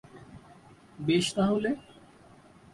বেশ তাহলে।